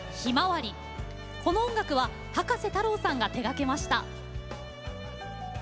この音楽は葉加瀬太郎さんが手がけました。